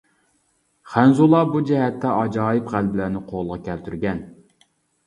خەنزۇلار بۇ جەھەتتە ئاجايىپ غەلىبىلەرنى قولغا كەلتۈرگەن.